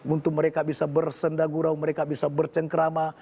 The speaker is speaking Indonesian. untuk mereka bisa bersendagurau mereka bisa bercengkrama